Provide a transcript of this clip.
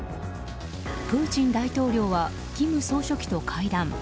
プーチン大統領は金総書記と会談。